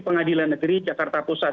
pengadilan negeri jakarta pusat